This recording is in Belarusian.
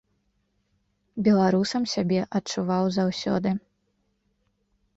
Беларусам сябе адчуваў заўсёды.